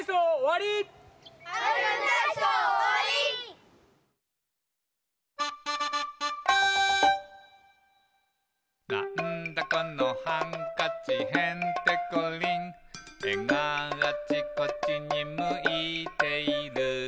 「なんだこのハンカチへんてこりん」「えがあちこちにむいている」